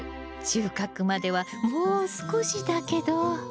収穫まではもう少しだけど。